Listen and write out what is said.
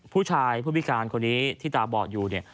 ผู้ชายผู้พิการคนนี้ที่ตาบอดอยู่เนี่ย